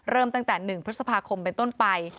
เริ่มตั้งแต่๑พฤษภาคมเป็นต้นไป